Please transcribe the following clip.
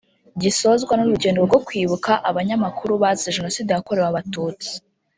gisozwa n’urugendo rwo kwibuka abanyamakuru bazize Jenoside yakorewe Abatutsi